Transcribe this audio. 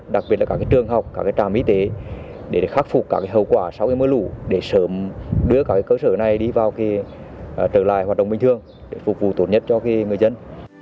đặc biệt là các trường học các trạm y tế để khắc phục các hậu quả sau mưa lũ để sớm đưa các cơ sở này đi vào trở lại hoạt động bình thường để phục vụ tốt nhất cho người dân